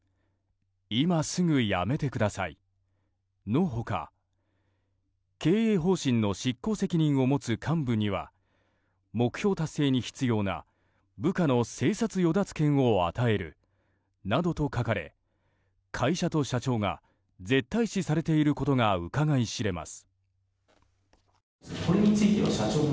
今すぐ辞めてください。の他経営方針の執行責任を持つ幹部には目標達成に必要な部下の生殺与奪権を与えるなどと書かれ会社と社長が絶対視されていることがうかがい知れます。